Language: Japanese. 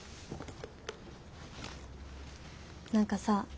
何かさ